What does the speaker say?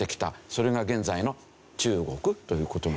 それが現在の中国という事なんですね。